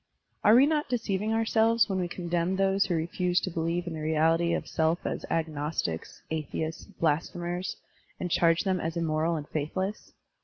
Are we not deceiving ourselves when we condemn those who refuse to believe in the reality of self as agnostics, atheists, blasphemers, and charge them as immoral and faithless?